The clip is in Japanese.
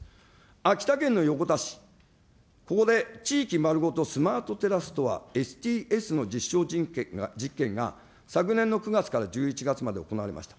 秋田県のよこた市、ここで地域丸ごとスマート、ＳＴＳの実証実験が昨年の９月から１１月まで行われました。